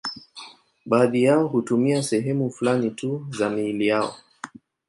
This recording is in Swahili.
Baadhi yao hutumia sehemu fulani tu za miili yao.